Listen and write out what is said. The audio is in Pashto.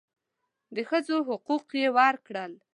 د ښځو حقوق یې ورکړل.